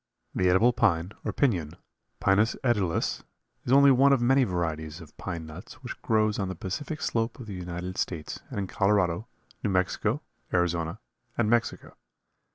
The edible pine, or piñon (Pinus edulis), is only one of many varieties of pine nuts which grows on the Pacific Slope of the United States and in Colorado, New Mexico, Arizona and Mexico.